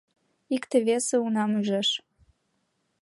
Икте-весе унам ӱжеш.